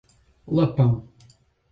Lapão